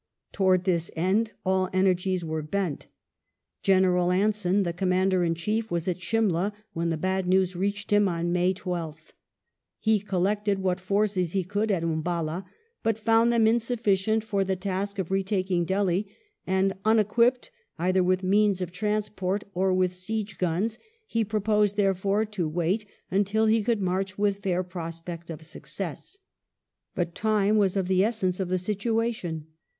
Towards this end all energies were bent. General Anson, the Commander in Chief, was at Simla when the bad news reached him on May 12th. He collected what forces he could at Umballa, but found them insuffici ent for the task of retaking Delhi, and unequipped either with means of transport or with siege guns. He proposed, therefore, to wait until he could march with fair prospect of success. But time was of the essence of the situation.